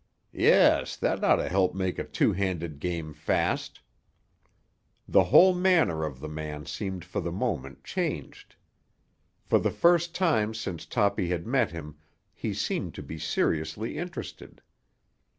"Yes, that ought to help make a two handed game fast." The whole manner of the man seemed for the moment changed. For the first time since Toppy had met him he seemed to be seriously interested.